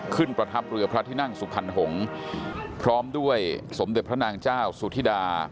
ประทับเรือพระที่นั่งสุพรรณหงษ์พร้อมด้วยสมเด็จพระนางเจ้าสุธิดา